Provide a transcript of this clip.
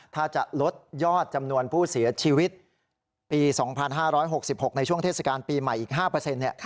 ถ้าจะลดยอดจำนวนผู้เสียชีวิตปี๒๕๖๖ในช่วงเทศกาลปีใหม่อีก๕เนี่ย